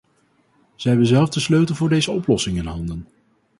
Zij hebben zelf de sleutel voor deze oplossing in handen.